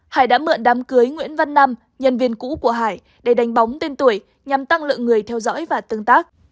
hải đã mượn đám cưới nguyễn văn năm nhân viên cũ của hải để đánh bóng tên tuổi nhằm tăng lượng người theo dõi và tương tác